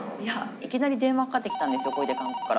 いきなり電話かかってきたんですよ小出監督から。